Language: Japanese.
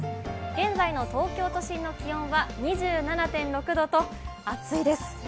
現在の東京都心の気温は２７．６度と暑いです。